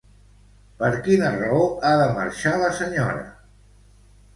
Per quina raó ha de marxar la senyora?